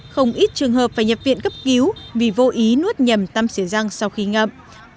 không ít trường hợp phải nhập viện cấp cứu vì vô ý nuốt nhầm tăm xỉ răng sau khi ngậm